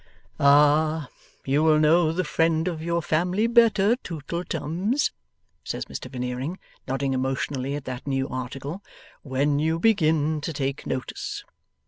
'Ah! You will know the friend of your family better, Tootleums,' says Mr Veneering, nodding emotionally at that new article, 'when you begin to take notice.